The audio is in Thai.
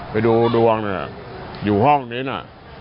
ไปดูดวงเนี่ยอยู่ห้องนี้น่ะ